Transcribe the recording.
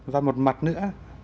và một mặt nữa